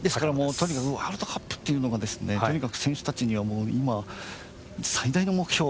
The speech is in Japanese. とにかくワールドカップっていうのがとにかく選手たちには今、最大の目標。